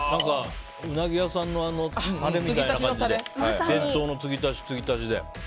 ウナギ屋さんのタレみたいな伝統の継ぎ足し継ぎ足しで。